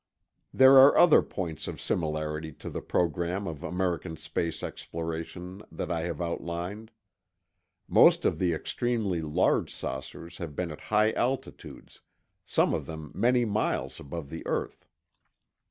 There are other points of similarity to the program of American space exploration that I have outlined. Most of the extremely large saucers have been at high altitudes, some of them many miles above the earth.